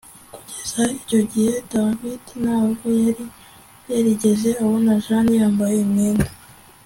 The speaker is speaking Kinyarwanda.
Kugeza icyo gihe David ntabwo yari yarigeze abona Jane yambaye imyenda